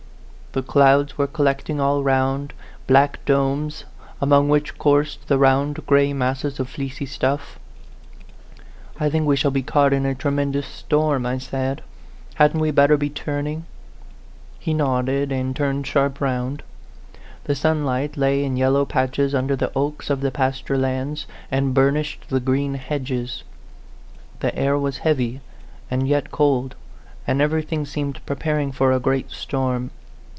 The clouds were collecting all round 120 A PHANTOM LOVER black domes, among which coursed the round, gray masses of fleecy stuff, " I think we shall be caught in a tremen dous storm," I said ;" hadn't we better be turning?" He nodded, and turned sharp round. The sunlight lay in yellow patches under the oaks of the pasture lands, and burnished the green hedges. The air was heavy, and yet cold, and everything seemed preparing for a great storm.